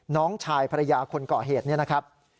น้องชายภรรยาคนก่อเหตุเนี่ยนะครับ